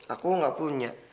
aku gak punya